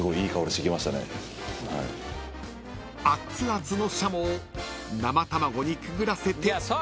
［熱々のシャモを生卵にくぐらせて］